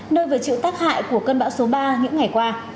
nơi vừa chịu tác hại của cơn bão số ba những ngày qua